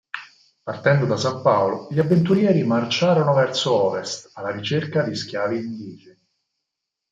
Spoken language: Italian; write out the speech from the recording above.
Partendo da San Paolo, gli avventurieri marciarono verso ovest alla ricerca di schiavi indigeni.